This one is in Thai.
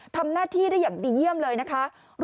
ทำหน้าที่ได้อย่างดีเยี่ยมเลยนะคะ